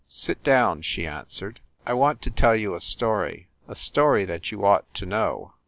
"Sit down," she answered. "I want to tell you a story a story that you ought to know."